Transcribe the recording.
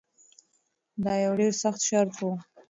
دا یو ډیر سخت شرط و.